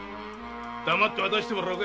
黙って渡してもらおうか。